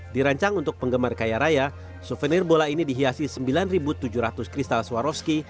dirancang untuk penggemar kaya raya souvenir bola ini dihiasi sembilan tujuh ratus kristal swaroski